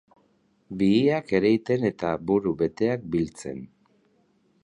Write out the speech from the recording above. Bihiak ereiten eta buru beteak biltzen.